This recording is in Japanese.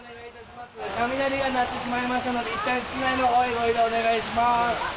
雷が鳴ってしまいましたので、いったん室内のほうへ、ご移動お願いします。